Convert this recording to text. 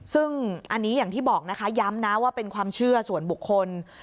ซึ่งอันนี้อย่างที่บอกนะคะย้ำนะว่าเป็นความเชื่อส่วนบุคคล